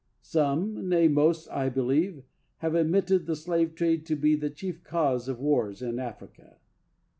Some, nay most, I believe, have admitted the slave trade to be the chief cause of wars in Africa.